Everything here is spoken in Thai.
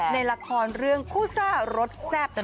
ในละครเรื่องคู่ซ่ารสแซ่บ